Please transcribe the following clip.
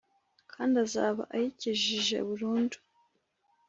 kandi azaba ayikijije burundu ;